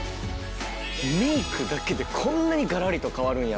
メイクだけでこんなにがらりと変わるんやっていう。